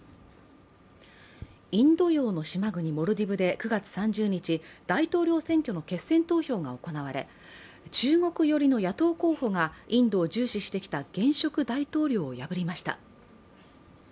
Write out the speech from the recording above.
インド洋の島国モルディブで９月３０日大統領選挙の決選投票が行われ中国寄りの野党候補がインドを重視してきた現職大統領破りました。